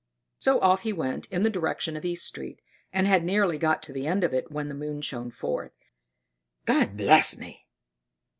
So off he went in the direction of East Street, and had nearly got to the end of it when the moon shone forth. "God bless me!